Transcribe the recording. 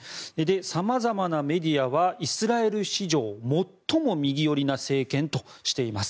様々なメディアはイスラエル史上最も右寄りな政権としています。